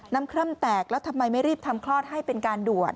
คร่ำแตกแล้วทำไมไม่รีบทำคลอดให้เป็นการด่วน